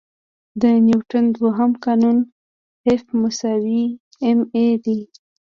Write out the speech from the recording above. د نیوټن دوهم قانون F=ma دی.